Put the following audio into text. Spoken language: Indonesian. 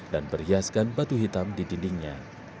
dan berhiaskan batu hitam di dindingnya